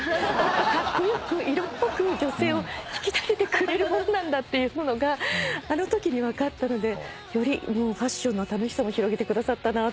カッコ良く色っぽく女性を引き立ててくれるものなんだっていうのがあのときに分かったのでよりファッションの楽しさも広げてくださったなと思って。